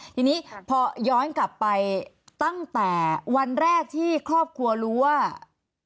ทีนี้พอย้อนกลับไปตั้งแต่วันแรกที่ครอบครัวรู้ว่า